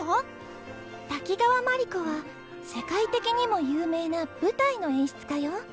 滝川毬子は世界的にも有名な舞台の演出家よ。